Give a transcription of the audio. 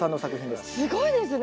すごいですね。